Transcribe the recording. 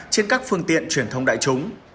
trên các phương tiện truyền thông đại chúng